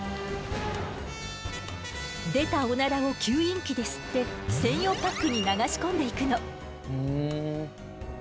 出たオナラを吸引器で吸って専用パックに流し込んでいくの。